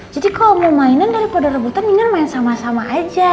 jadi kalau mau mainan daripada rebutan inget main sama sama aja